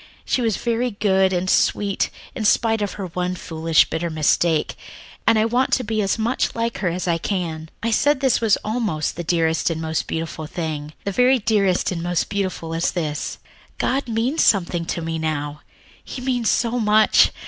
She was very good and sweet, in spite of her one foolish, bitter mistake, and I want to be as much like her as I can. "I said that this was almost the dearest and most beautiful thing. The very dearest and most beautiful is this God means something to me now. He means so much!